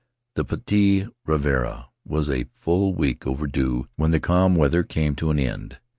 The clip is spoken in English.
The Potii Ravarava was a full week overdue when the calm weather came to an end.